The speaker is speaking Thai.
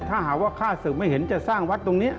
ถ้าหากว่าข้าสืบไม่เห็นจะสร้างวัดตรงนี้